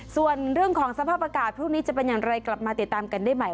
ส่วนเรื่องของสภาพอากาศพรุ่งนี้จะเป็นอย่างไรกลับมาติดตามกันได้ใหม่